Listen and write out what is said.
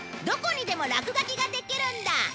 どこにでも落書きができるんだ